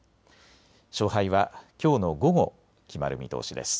勝敗はきょうの午後、決まる見通しです。